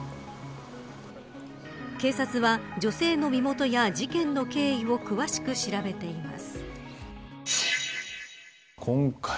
警察は女性の身元や事件の経緯を詳しく調べています。